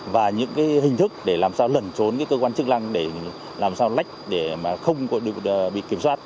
và những hình thức để làm sao lẩn trốn cơ quan chức năng để làm sao lách để mà không bị kiểm soát